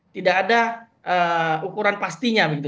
tidak ada ukuran pastinya